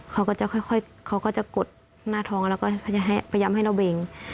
เขาก็จะค่อยกดหน้าท้องแล้วก็พยายามให้เราเบ่ง